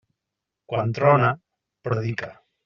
Quan trona, predica.